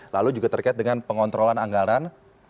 lalu juga terkait dengan pengontrolan anggaran